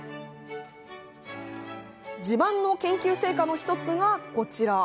自慢の研究成果の１つがこちら。